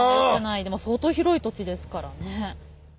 でも相当広い土地ですからね。